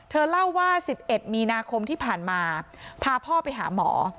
เล่าว่า๑๑มีนาคมที่ผ่านมาพาพ่อไปหาหมอ